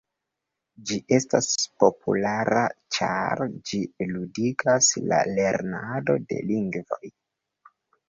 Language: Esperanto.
Ĝi estas populara ĉar ĝi “ludigas” la lernadon de lingvoj.